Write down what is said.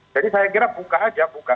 jadi saya kira buka aja buka